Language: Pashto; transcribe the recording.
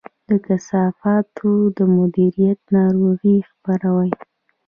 د کثافاتو نه مدیریت ناروغي خپروي.